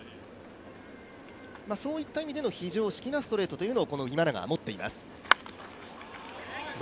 そういった意味での非常識のストレートを今永は持っています。